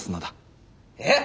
えっ！？